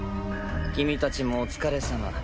君たちもお疲れさま。